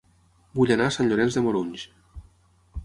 Vull anar a Sant Llorenç de Morunys